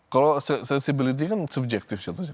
kalau sensibility kan subjektif